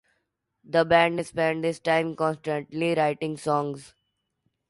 The band spent this time constantly writing songs.